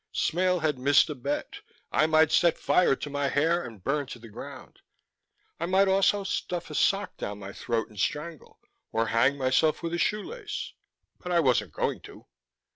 Smale had missed a bet: I might set fire to my hair and burn to the ground. I might also stuff a sock down my throat and strangle, or hang myself with a shoe lace but I wasn't going to.